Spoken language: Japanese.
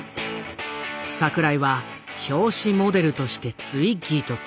櫻井は表紙モデルとしてツイッギーと契約。